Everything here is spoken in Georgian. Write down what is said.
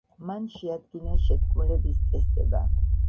მან შეადგინა შეთქმულების წესდება.